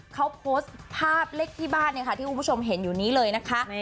เขาโพสต์ภาพเลขที่บ้านที่คุณผู้ชมเห็นอยู่นี้เลยนะคะ